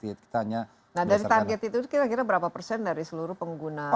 nah dari target itu kira kira berapa persen dari seluruh pengguna